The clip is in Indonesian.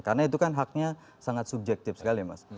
karena itu kan haknya sangat subjektif sekali mas